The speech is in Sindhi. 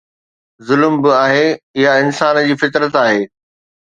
ظلم به آهي، اها انسان جي فطرت آهي.